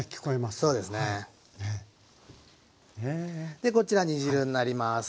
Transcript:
でこちら煮汁になります。